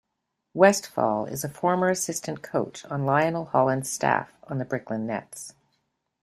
Westphal is a former assistant coach on Lionel Hollins' staff on the Brooklyn Nets.